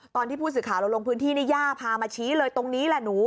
ตอนที่ผู้สื่อข่าวเราลงพื้นที่นี่ย่าพามาชี้เลยตรงนี้แหละหนู